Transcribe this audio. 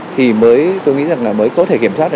thì mới tôi nghĩ rằng là mới có thể kiểm soát